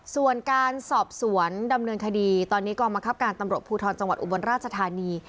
ส่วนการสอบสวนดำเนินคดีตอนนี้กองบังคับการตำรวจภูทรจังหวัดอุบลราชธานี